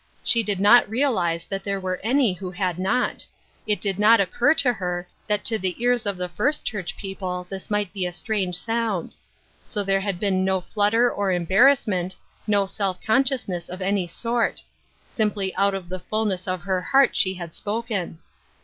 She did not realize that there were any who had not. It did not occur to her that to the ears of the First Church people this might be a strange sound. So there had been no flutter or embarrassment, no self consciousness of any sort; simply out of the fullness of her heart she had spoken.